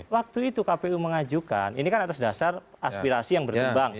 waktu itu kpu mengajukan ini kan atas dasar aspirasi yang berkembang